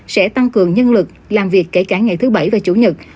sẽ tăng cường nhân lực làm việc kể cả ngày thứ bảy và chủ nhật